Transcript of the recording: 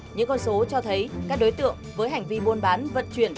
những con số cho thấy các đối tượng với hành vi buôn bán vận chuyển